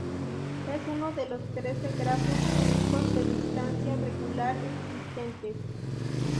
Es uno de los trece grafos cúbicos de distancia-regular existentes.